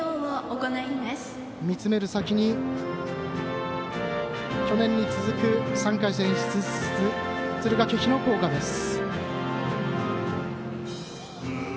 見つめる先に去年に続く３回戦に進む敦賀気比の校歌です。